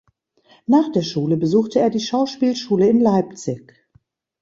Nach der Schule besuchte er die Schauspielschule in Leipzig.